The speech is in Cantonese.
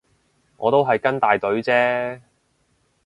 我都係跟大隊啫